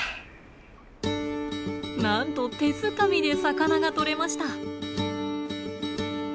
なんと手づかみで魚がとれました。